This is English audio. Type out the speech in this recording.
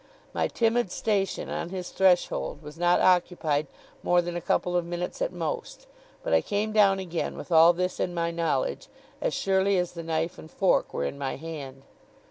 My timid station on his threshold was not occupied more than a couple of minutes at most; but I came down again with all this in my knowledge, as surely as the knife and fork were in my hand.